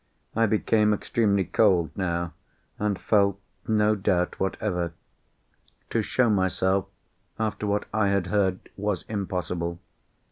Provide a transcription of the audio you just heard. I became extremely cold now, and felt no doubt whatever. To show myself, after what I had heard, was impossible.